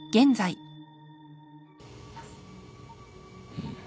うん。